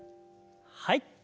はい。